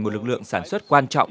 một lực lượng sản xuất quan trọng